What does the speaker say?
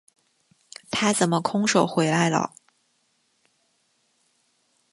他怎么空手回来了？